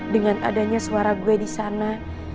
dengan adanya suara gue disana